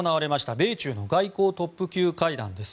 米中の外交トップ級会談です。